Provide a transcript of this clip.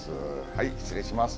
はい失礼します。